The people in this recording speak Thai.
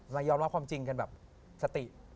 เรายอมรับความจริงกันแบบสติ